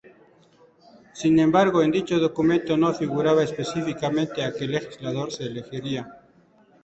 Sin embargo, en dicho documento no figuraba específicamente a que legislador se elegiría.